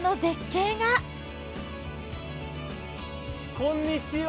こんにちは！